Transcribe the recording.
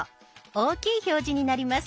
大きい表示になります。